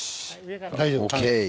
大丈夫。ＯＫ。